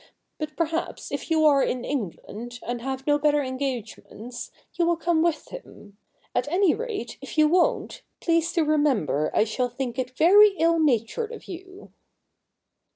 But perhaps if you are in England, and have no better engagements, you will come with him. At any rate, if you won't, please to remember I shall think it very ill natured of you.'